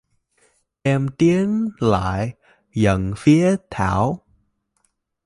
em tiến lại gần phía thảo